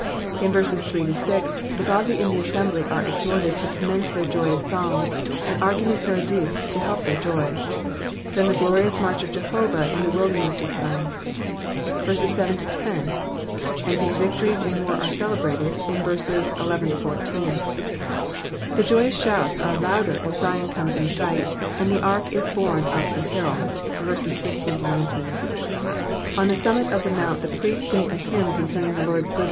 In verses 3 — 6, the gotily in the assembly are exhorted to commence thebr joy ^ ous songs, and arguments are adduced to help iJieirjoy. Then the glorious march of Jetiovah in the wilderness is sung : verses 7—10, and his victories in tear are ceUbrated in verses 11 — 14. The joyous shouts are louder as Zion comes in sigid, and the ark ui borne up the hill: verses 15—19. On the summit of the mount the priests siiig a hymn concerning the Lords good.